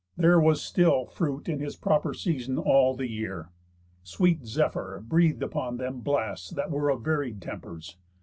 There was still Fruit in his proper season all the year. Sweet Zephyr breath'd upon them blasts that were Of varied tempers.